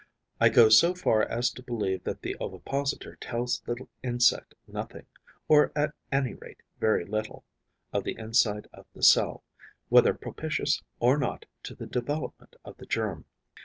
I go so far as to believe that the ovipositor tells the insect nothing, or at any rate very little, of the inside of the cell, whether propitious or not to the development of the germ.